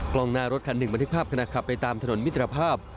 กล้องหน้ารถคันหนึ่งบันทึกภาพขณะขับไปตามถนนมิตรภาพ